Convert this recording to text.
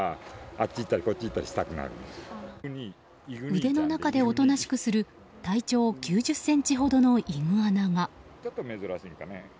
腕の中でおとなしくする体長９０ｃｍほどのイグアナが。